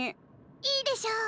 いいでしょ。